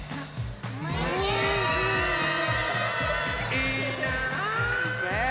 いいな。ね。